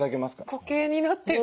固形になってる。